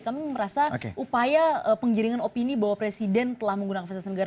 kami merasa upaya penggiringan opini bahwa presiden telah menggunakan fasilitas negara